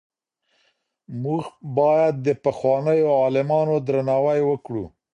موږ باید د پخوانیو عالمانو درناوی وکړو.